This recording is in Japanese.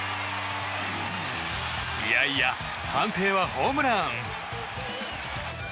いやいや、判定はホームラン！